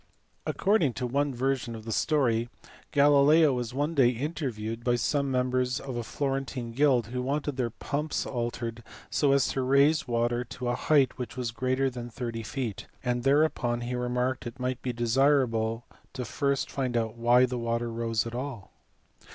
According to one version of the story, Galileo was one day interviewed by some members of a Florentine guild who wanted their pumpsKalterei^ as to raise water to a height which was greater than thirty feet; and thereupon he remarked that it might be desirable to first find out why the water rose at all.